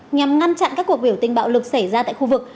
nhằm ngăn chặn các cuộc biểu tình bạo lực xảy ra tại khu vực